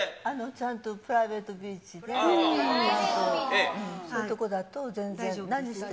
ちゃんとプライベートビーチで、そういう所だと全然、何しても。